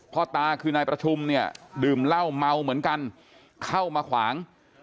ตาคือนายประชุมเนี่ยดื่มเหล้าเมาเหมือนกันเข้ามาขวาง